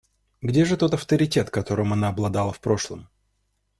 Где же тот авторитет, которым она обладала в прошлом?